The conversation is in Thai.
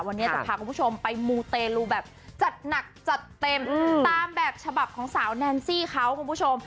วันนี้จะพาคุณผู้ชมไปมูเตลูแบบจัดหนักจัดเต็มตามแบบฉบับของสาวแนนซี่เขาคุณผู้ชม